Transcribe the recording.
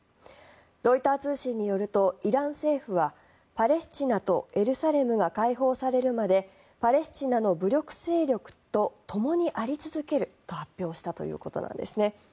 ロイター通信によるとイラン政府はパレスチナとエルサレムが解放されるまでパレスチナの武力勢力とともにあり続けると発表したということなんですね。